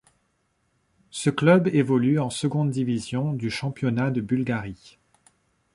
Ce club évolue en seconde division du championnat de Bulgarie.